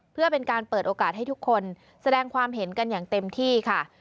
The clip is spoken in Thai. เพื่อเป็นการเปิดโอกาสให้ทุกคนแสดงความเห็นกันอย่างเต็มที่ค่ะ